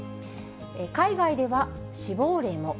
海外では死亡例も。